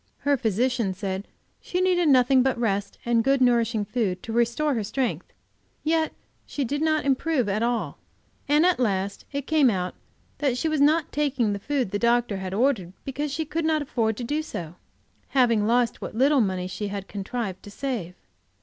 Her physician said she needed nothing but rest and good, nourishing food to restore her strength, yet she did not improve at all, and at last it came out that she was not taking the food the doctor ordered, because she could not afford to do so, having lost what little money she had contrived to save.